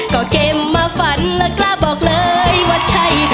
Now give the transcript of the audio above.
ก็เก็บมาฝันและกล้าบอกเลยว่าใช่